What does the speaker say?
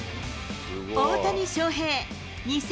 大谷翔平